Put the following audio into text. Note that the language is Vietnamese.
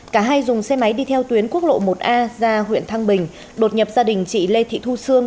cả hai dùng xe máy đi theo tuyến quốc lộ một a ra huyện thăng bình đột nhập gia đình chị lê thị thu sương